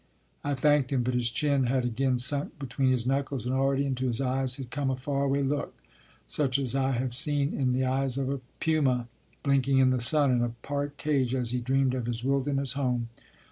I thanked him, but his chin had again sunk be tween his knuckles, and already into his eyes had come a far away look such as I have seen in the eyes of a puma, blinking in the sun in a park cage as he dreamed of his wilderness home.